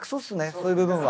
そういう部分は。